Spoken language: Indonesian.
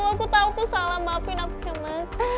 aku tahu aku salah maafin aku ya mas